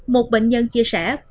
một bệnh nhân chia sẻ